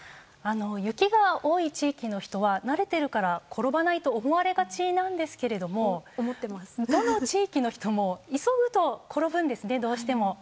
雪が多い地域の人は慣れているから転ばないと思われがちなんですがどの地域の人も急ぐと転ぶんですね、どうしても。